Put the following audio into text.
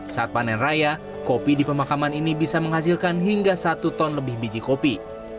saat panen raya kopi di pemakaman ini bisa menghasilkan hingga satu ton lebih biji kopi